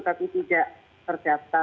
tapi tidak terdata